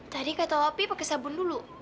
tadi kata api pakai sabun dulu